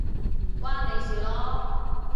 唔關你事囉